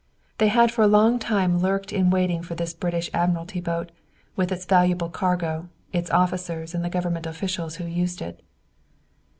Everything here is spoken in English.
They had for a long time lurked in waiting for this British Admiralty boat, with its valuable cargo, its officers and the government officials who used it.